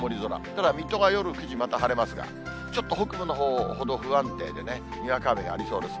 ただ水戸が夜９時、また晴れますが、ちょっと北部のほうほど不安定でね、にわか雨がありそうです。